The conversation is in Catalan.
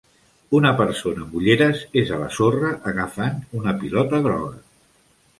Una persona amb ulleres és a la sorra agafant una pilota groga.